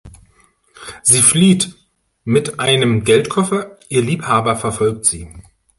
Sie flieht mit einem Geldkoffer, ihr Liebhaber verfolgt sie.